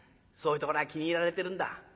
そういうところが気に入られてるんだ。